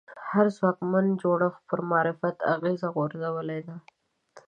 هر ځواکمن جوړښت پر معرفت اغېزه غورځولې ده